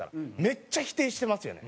めっちゃ否定してますよね。